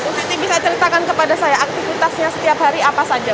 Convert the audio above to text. bu siti bisa ceritakan kepada saya aktivitasnya setiap hari apa saja